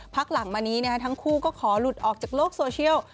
พักหลังมานี้ทั้งคู่ก็ขอหลุดออกจากโลกโซเชียล